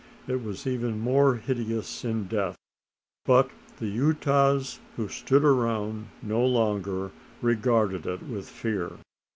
It was even more hideous in death; but the Utahs who stood around no longer regarded it with fear.